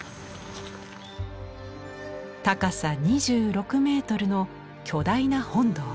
高さ２６メートルの巨大な本堂。